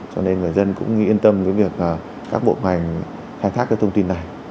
cho nên người dân cũng yên tâm với việc các bộ ngành khai thác cái thông tin này